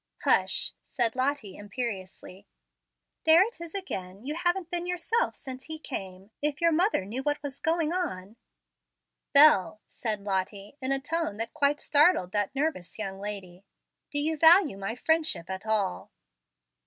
"Hush!" said Lottie, imperiously. "There it is again. You haven't been yourself since he came. If your mother knew what was going on " "Bel," said Lottie, in a tone that quite startled that nervous young lady, "do you value my friendship at all?"